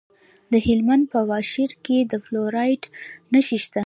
د هلمند په واشیر کې د فلورایټ نښې شته.